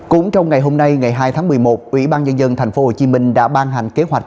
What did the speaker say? cũng trong ngày hôm nay ngày hai tháng một mươi một ủy ban nhân dân tp hcm đã ban hành kế hoạch